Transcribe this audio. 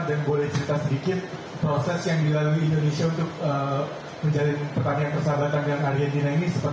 dan boleh cerita sedikit proses yang dilalui indonesia untuk menjalin pertanian